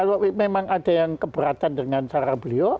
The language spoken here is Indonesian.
kalau memang ada yang keberatan dengan cara beliau